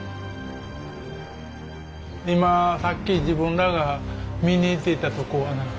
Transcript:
今さっき自分らが見に行っていたとこが。